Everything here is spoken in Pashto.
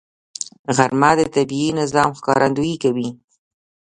غرمه د طبیعي نظم ښکارندویي کوي